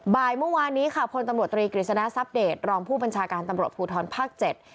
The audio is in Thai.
บ่ายเมื่อวานนี้ค่ะพลตำรวจตรีกริชณะรองผู้บัญชาการตำรวจภูทรภักดิ์๗